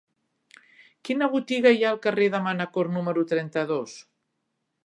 Quina botiga hi ha al carrer de Manacor número trenta-dos?